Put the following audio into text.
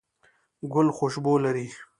ګل خوشبو لري